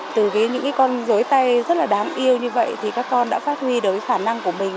từ những con dối tay rất là đáng yêu như vậy thì các con đã phát huy được khả năng của mình